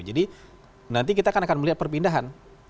jadi nanti kita akan melihat perpindahan